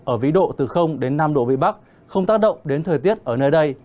ở vĩ độ từ đến năm độ vị bắc không tác động đến thời tiết ở nơi đây